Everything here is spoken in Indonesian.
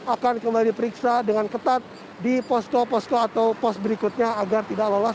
akan kembali diperiksa dengan ketat di pos pos pos pos berikutnya agar tidak lolos